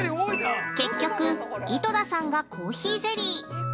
◆結局、井戸田さんが珈琲ゼリー。